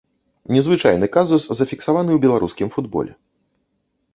Незвычайны казус зафіксаваны ў беларускім футболе.